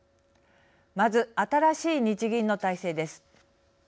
まず新しい日銀の体制です。